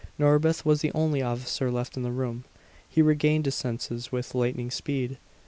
Norbith was the only officer left in the room. He regained his senses with lightning speed.